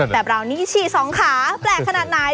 แต่บราวนี้ฉี่สองขาแปลกขนาดไหน